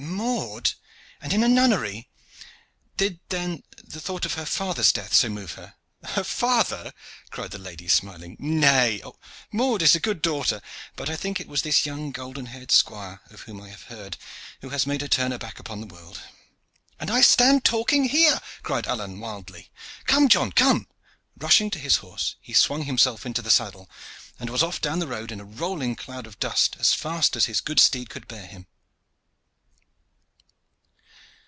"Maude! And in a nunnery! Did, then, the thought of her father's death so move her?" "Her father!" cried the lady, smiling. "Nay; Maude is a good daughter, but I think it was this young golden haired squire of whom I have heard who has made her turn her back upon the world." "And I stand talking here!" cried Alleyne wildly. "Come, John, come!" Rushing to his horse, he swung himself into the saddle, and was off down the road in a rolling cloud of dust as fast as his good steed could bear him.